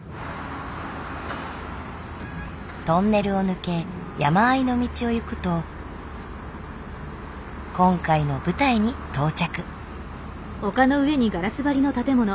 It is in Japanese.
トンネルを抜け山あいの道を行くと今回の舞台に到着。